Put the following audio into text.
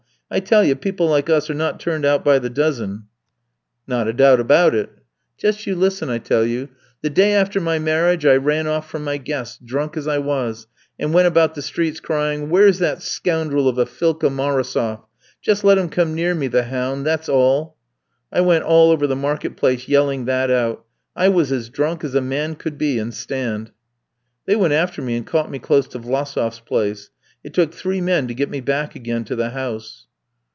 I tell you people like us are not turned out by the dozen." "Not a doubt about it." "Just you listen, I tell you. The day after my marriage I ran off from my guests, drunk as I was, and went about the streets crying, 'Where's that scoundrel of a Philka Marosof? Just let him come near me, the hound, that's all!' I went all over the market place yelling that out. I was as drunk as a man could be, and stand. "They went after me and caught me close to Vlassof's place. It took three men to get me back again to the house.